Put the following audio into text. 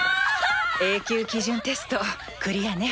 Ａ級基準テストクリアね。